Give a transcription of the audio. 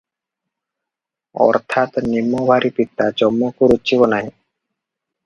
ଅର୍ଥାତ୍ ନିମ ଭାରି ପିତା, ଯମକୁ ରୁଚିବ ନାହିଁ ।